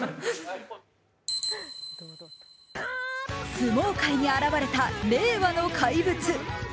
相撲界に現れた令和の怪物。